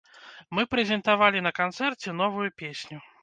Мы прэзентавалі на канцэрце новую песню.